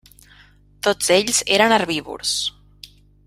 Tots ells eren herbívors.